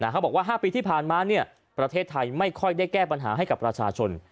เขาบอกว่า๕ปีที่ผ่านมาประเทศไทยไม่ค่อยได้แก้ปัญหาให้กับประชาชน